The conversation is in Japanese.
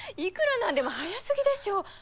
いくらなんでも早すぎでしょ。